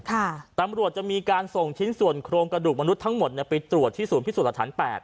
ตำรวจจะมีการส่งชิ้นส่วนโครงกระดูกมนุษย์ทั้งหมดเนี่ยไปตรวจที่ศูนย์พิสูจน์หลักฐานแปด